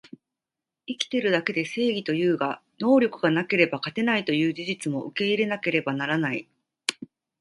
生きてるだけで正義というが、能力がなければ勝てないという事実も受け入れなければならない